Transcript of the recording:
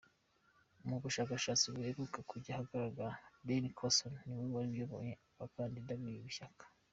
Mu bushakashatsi buheruka kujya ahagaragara Ben Carson niwe wari uyoboye abakandida b’ibi shyaka.